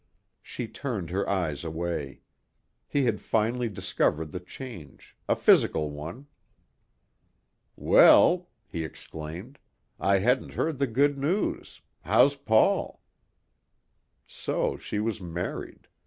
She turned her eyes away. He had finally discovered the change, a physical one. "Well," he exclaimed, "I hadn't heard the good news. How's Paul." So she was married.